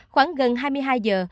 khoảng gần hai mươi hai giờ